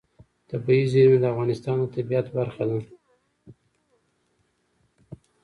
طبیعي زیرمې د افغانستان د طبیعت برخه ده.